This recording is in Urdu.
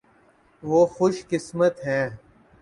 وہ خوش قسمت ہیں۔